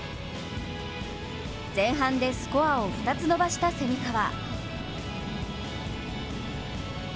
前半でスコアを２つ伸ばした蝉川。